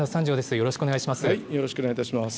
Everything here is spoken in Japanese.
よろしくお願いします。